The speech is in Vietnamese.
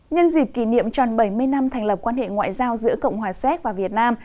nhân dịp kỷ niệm tròn bảy mươi năm thành lập quan hệ ngoại giao giữa cộng hòa séc và việt nam